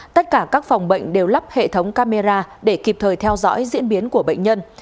tất cả các phòng bệnh đều lắp hệ thống camera để kịp thời theo dõi diễn biến của bệnh nhân